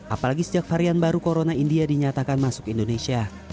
apalagi sejak varian baru corona india dinyatakan masuk indonesia